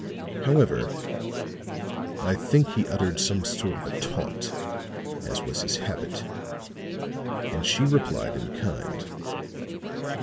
However, I think he uttered some sort of a taunt, as was his habit, and she replied in kind.